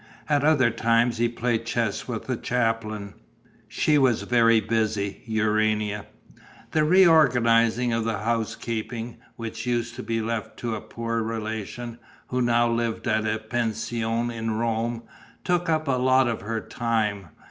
At other times he played chess with the chaplain. She was very busy, Urania. The reorganizing of the housekeeping, which used to be left to a poor relation, who now lived at a pension in Rome, took up a lot of her time.